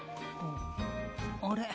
あれ？